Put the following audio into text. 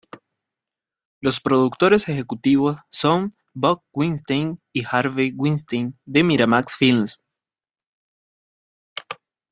Los productores ejecutivos son Bob Weinstein y Harvey Weinstein, de Miramax Films.